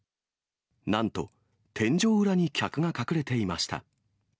なんと天井裏に客が隠れていました。